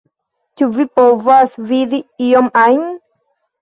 Ĉu vi povas vidi ion ajn?